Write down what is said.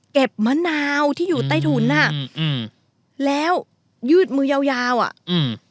มะนาวที่อยู่ใต้ถุนอ่ะอืมอืมแล้วยืดมือยาวยาวอ่ะอืม